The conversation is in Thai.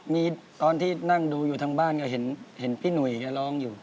มีตอนที่นั่งดูอยู่ทางบ้านก็เห็นพี่หนุ่ยแกร้องอยู่